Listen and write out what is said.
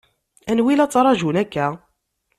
Anwa i la ttṛaǧun akka?